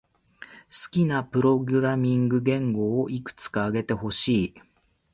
好きなプログラミング言語をいくつか挙げてほしい。